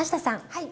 はい。